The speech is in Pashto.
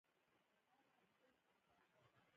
زردالو د افغانستان د اقتصادي ودې لپاره پوره ارزښت لري.